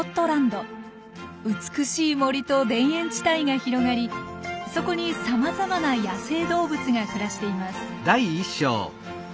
美しい森と田園地帯が広がりそこにさまざまな野生動物が暮らしています。